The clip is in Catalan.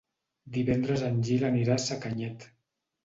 Divendres en Gil anirà a Sacanyet.